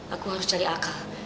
aku harus cari akal